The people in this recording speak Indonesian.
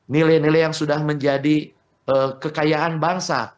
nilai nilai yang sudah menjadi kekayaan bangsa